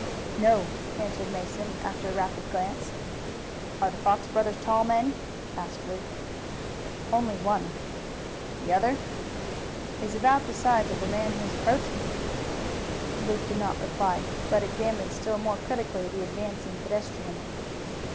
"No," answered Mason after a rapid glance. "Are the Fox brothers tall men?" asked Luke. "One only." "The other?" "Is about the size of the man who is approaching." Luke did not reply, but examined still more critically the advancing pedestrian.